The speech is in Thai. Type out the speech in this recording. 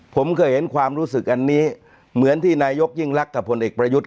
ผมเคยเห็นความรู้สึกอันนี้เหมือนที่นายกยิ่งรักกับผลเอกประยุทธ์